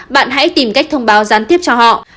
bạn hãy tìm cách thông báo gián tiếp cho họ